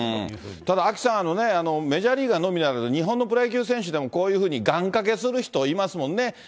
ただアキさん、メジャーリーガーのみならず、日本のプロ野球選手でもこういうふうに願掛けする人、いますもんね。